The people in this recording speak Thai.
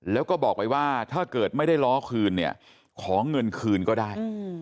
แล้วก็บอกไว้ว่าถ้าเกิดไม่ได้ล้อคืนเนี่ยขอเงินคืนก็ได้